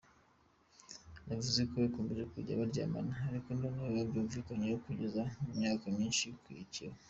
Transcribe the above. Yavuze ko bakomeje kujya baryamana ariko noneho babyumvikanyeho, kugeza mu myaka nyinshi yakurikiye.